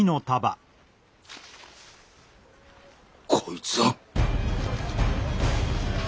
こいつは！